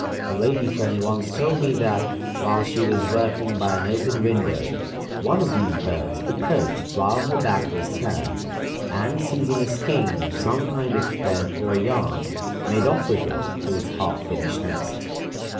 A lady friend once told me that, while she was working by an open window, one of these birds approached while her back was turned, and, seizing a skein of some kind of thread or yarn, made off with it to its half finished nest.